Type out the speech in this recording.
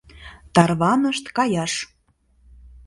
Тарванышт каяш